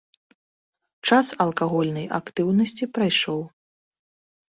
Час алкагольнай актыўнасці прайшоў.